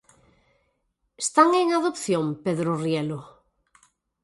Están en adopción, Pedro Rielo?